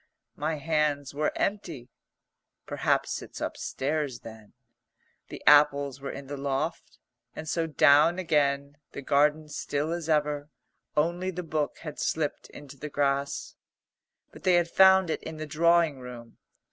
My hands were empty. "Perhaps it's upstairs then?" The apples were in the loft. And so down again, the garden still as ever, only the book had slipped into the grass. But they had found it in the drawing room.